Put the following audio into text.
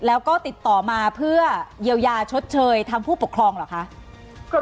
แล้วก็ติดต่อมาเพื่อเยียวยาชดเชยทางผู้ปกครองเหรอคะ